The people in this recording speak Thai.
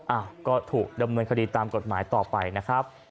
อ้าวก็ถูกดำเนินคดีตามกฎหมายต่อไปนะครับ